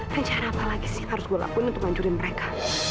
rencana apa lagi sih harus gue lakuin untuk ngancurin mereka